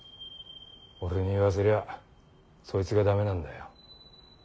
俺に言わせりゃそいつが駄目なんだよ。